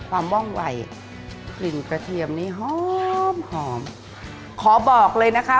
ความว่องวัยกลิ่นกระเทียมนี้หอมหอมขอบอกเลยนะคะ